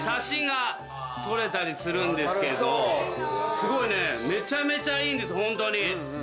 すごいねめちゃめちゃいいんですホントに。